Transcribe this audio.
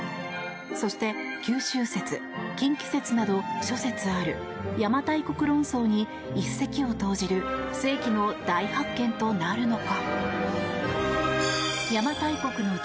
そして、九州説、近畿説など諸説ある邪馬台国論争に一石を投じる世紀の大発見となるのか。